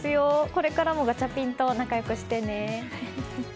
これからもガチャピンと仲良くしてね！